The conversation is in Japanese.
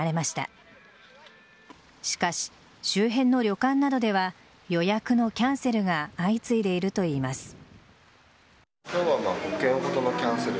しかし、周辺の旅館などでは予約のキャンセルが相次いでいるといいます。